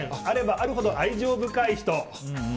あればあるほど愛情深い人。